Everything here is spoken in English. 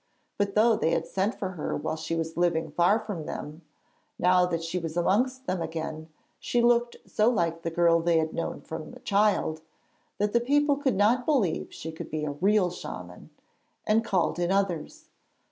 But though they had sent for her while she was living far from them, now that she was amongst them again she looked so like the girl they had known from a child that the people could not believe she could be a real shaman, and called in others.